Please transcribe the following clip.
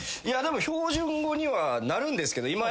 いやでも標準語にはなるんですけど